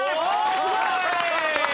すごい！